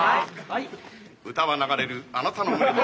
歌は流れるあなたの胸に。